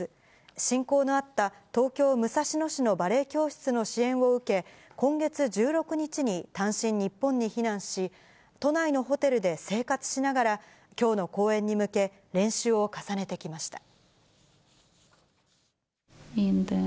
親交のあった、東京・武蔵野市のバレエ教室の支援を受け、今月１６日に単身、日本に避難し、都内のホテルで生活しながら、きょうの公演に向け、練習を重ねてきました。